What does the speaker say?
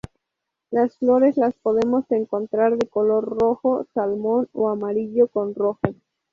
Las flores las podemos encontrar de color rojo, salmón o amarillo con rojo.